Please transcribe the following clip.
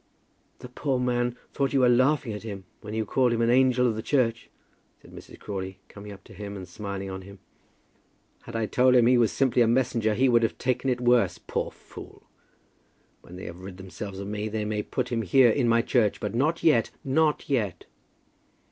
"The poor man thought that you were laughing at him when you called him an angel of the church," said Mrs. Crawley, coming up to him and smiling on him. "Had I told him he was simply a messenger, he would have taken it worse; poor fool! When they have rid themselves of me they may put him here, in my church; but not yet, not yet.